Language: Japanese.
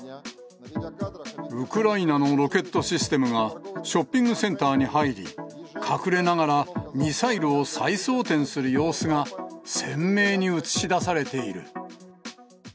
ウクライナのロケットシステムがショッピングセンターに入り、隠れながらミサイルを再装填する様子が、鮮明に映し出されている。